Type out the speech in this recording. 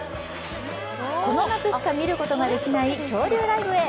この夏しか見ることができない恐竜ライブへ。